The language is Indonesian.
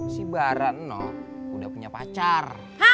si bara no udah punya pacar